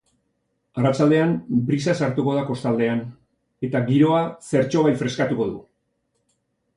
Arratsaldean brisa sartuko da kostaldean eta giroa zertxobait freskatuko du.